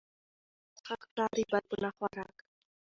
ـ يو په سعت ښه ښکاري بل په نه خوراک